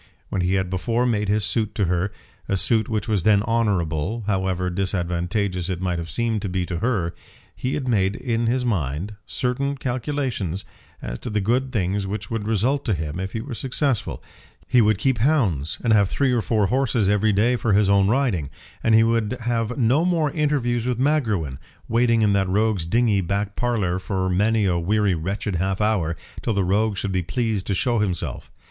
When he had before made his suit to her, a suit which was then honourable, however disadvantageous it might have seemed to be to her he had made in his mind certain calculations as to the good things which would result to him if he were successful He would keep hounds, and have three or four horses every day for his own riding, and he would have no more interviews with Magruin, waiting in that rogue's dingy back parlour for many a weary wretched half hour, till the rogue should be pleased to show himself.